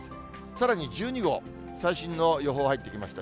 さらに１２号、最新の予報入ってきました。